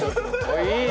いい！